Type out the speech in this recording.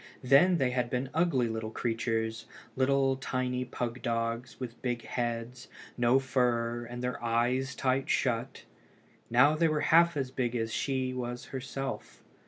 Then they had been ugly little creatures, like tiny pug dogs, with big heads, no fur, and their eyes tight shut. Now they were half as big as she was herself.